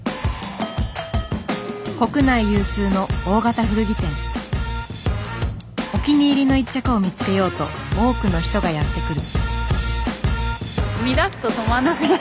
国内有数のお気に入りの一着を見つけようと多くの人がやって来る。